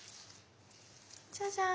じゃじゃーん。